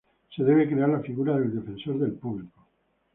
Se debe crear la figura del "Defensor del Público".